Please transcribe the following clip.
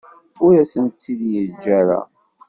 Ur asent-tt-id-yeǧǧa ara.